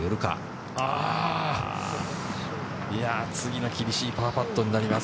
次が厳しいパーパットになります。